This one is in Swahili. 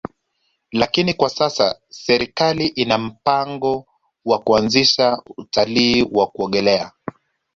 Lakini kwa sasa serikali ina mpango wa kuanzisha utalii wa kuogelea